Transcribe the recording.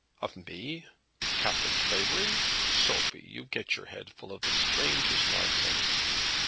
"Of me? Captain Clavering! Sophie, you get your head full of the strangest nonsense."